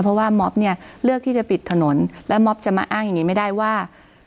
เพราะว่าม็อบเนี่ยเลือกที่จะปิดถนนแล้วม็อบจะมาอ้างอย่างนี้ไม่ได้ว่า